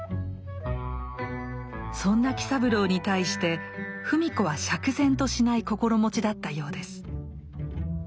そんな喜三郎に対して芙美子は釈然としない心持ちだったようです。